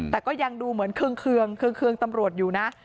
แต่ก็ยังดูเหมือนเคืองเครื่องตำรวจอยู่นะ